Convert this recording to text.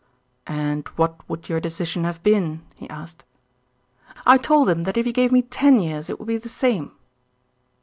"And what would your decision have been?" he asked. "I told him that if he gave me ten years it would be the same."